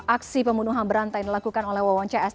aksi pembunuhan berantai yang dilakukan oleh won cis